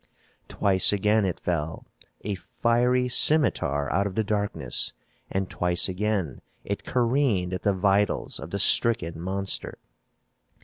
Twice again it fell, a fiery scimitar out of the darkness, and twice again it careened at the vitals of the stricken monster.